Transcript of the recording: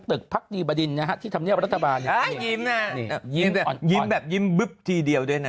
ตึกพักดีบดินนะที่ทำเงียบรัฐบาลยิ้มแบบยิ้มทีเดียวด้วย